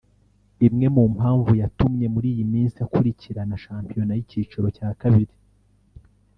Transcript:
imwe mu mpamvu yatumye muri iyi minsi akurikirana shampiyona y’icyiciro cya kabiri